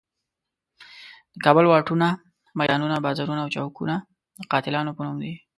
د کابل واټونه، میدانونه، بازارونه او چوکونه د قاتلانو په نوم دي.